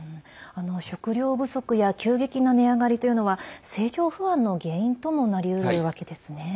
食糧不足や急激な値上がりというのは政情不安の原因ともなりうるわけですね。